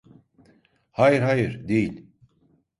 Hayır, hayır, değil.